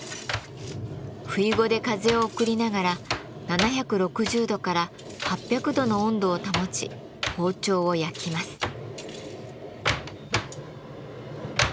ふいごで風を送りながら７６０度から８００度の温度を保ち包丁を焼きます。